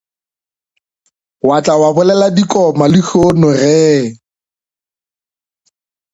Wa tla wa bolela dikoma lehono ge!